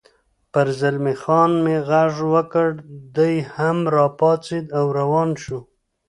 پر زلمی خان مې غږ وکړ، دی هم را پاڅېد او روان شو.